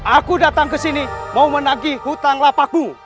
aku datang kesini mau menagih hutang lapakmu